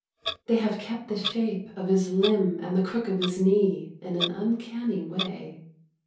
They have kept the shape of his limb and the crook of his knee in an uncanny way.